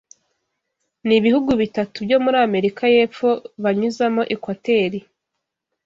Nibihugubitatu byo muri Amerika yepfo banyuzamo ekwateri